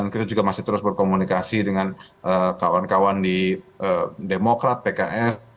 kita juga masih terus berkomunikasi dengan kawan kawan di demokrat pks